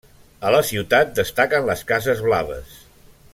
A la ciutat destaquen les cases blaves.